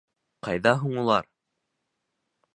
Ҡайҙа һуң улар?